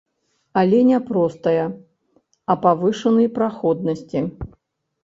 Але не простае, а павышанай праходнасці.